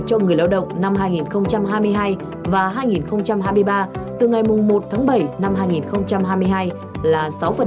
cho người lao động năm hai nghìn hai mươi hai và hai nghìn hai mươi ba từ ngày một tháng bảy năm hai nghìn hai mươi hai là sáu